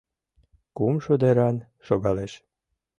Кумшо деран шогалеш.